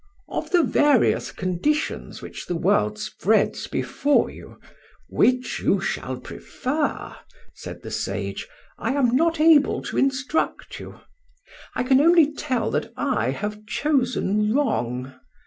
"Of the various conditions which the world spreads before you which you shall prefer," said the sage, "I am not able to instruct you. I can only tell that I have chosen wrong.